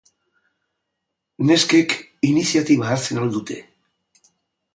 Neskek, iniziatiba hartzen al dute?